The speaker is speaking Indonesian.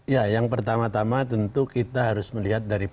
ya yang pertama tama tentu kita harus melihat dari